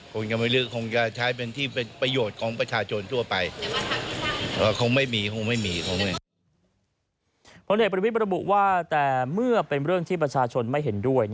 ผลเอกประวิทย์ระบุว่าแต่เมื่อเป็นเรื่องที่ประชาชนไม่เห็นด้วย